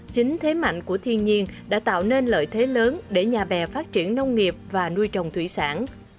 chính thế mạnh của thiên nhiên đã tạo nên lợi thế lớn để nhà bè phát triển nông nghiệp và nuôi trồng thủy sản